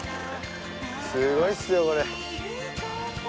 すごいっすよこれ。